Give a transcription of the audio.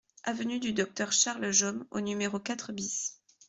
Avenue du Docteur Charles Jaume au numéro quatre BIS